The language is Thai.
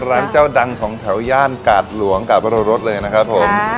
ร้านเจ้าดังของแถวย่านกาดหลวงกาดวรสเลยนะครับผม